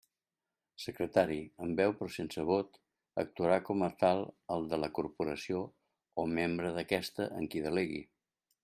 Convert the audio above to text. Secretari, amb veu però sense vot, actuarà com a tal el de la Corporació o membre d'aquesta en qui delegui.